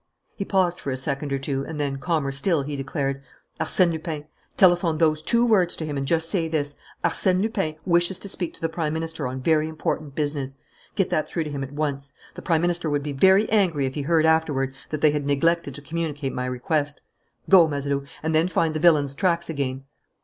He paused for a second or two; and then, calmer still, he declared: "Arsène Lupin! Telephone those two words to him and just say this: 'Arsène Lupin wishes to speak to the Prime Minister on very important business.' Get that through to him at once. The Prime Minister would be very angry if he heard afterward that they had neglected to communicate my request. Go, Mazeroux, and then find the villain's tracks again."